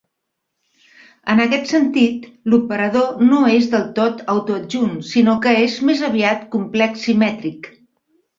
En aquest sentit, l'operador no és del tot autoadjunt, sinó que és més aviat complex-simètric.